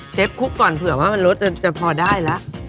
เชฟคลุกก่อนเผื่อว่ามันรสจะพอได้ละ